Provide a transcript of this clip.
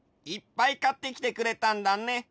いっぱいかってきてくれたんだね。